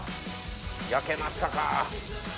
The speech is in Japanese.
焼けましたか。